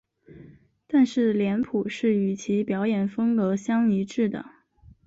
但是脸谱是与其表演风格相一致的。